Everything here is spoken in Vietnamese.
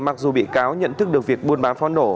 mặc dù bị cáo nhận thức được việc buôn bán pháo nổ